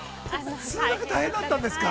◆通学大変だったんですか。